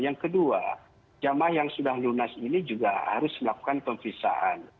yang kedua jemaah yang sudah lunas ini juga harus melakukan pemisahan